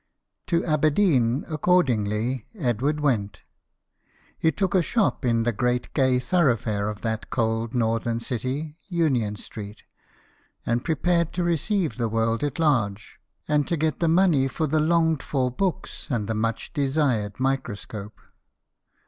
To Aberdeen, accordingly, Edward went. He took a shop in the great gay thoroughfare of that cold northern city Union Street and prepared to receive the world at large, and to get the money for the longed for books and the much desired microscope.